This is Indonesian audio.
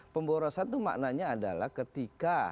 pemborosan itu maknanya adalah ketika